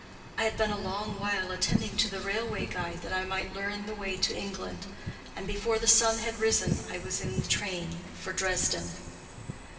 I had been a long while attending to the railway guide that I might learn the way to England; and before the sun had risen I was in the train for Dresden.